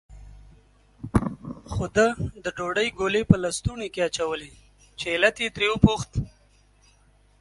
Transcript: خو ده د ډوډۍ ګولې په لستوڼي کې اچولې، چې علت یې ترې وپوښت.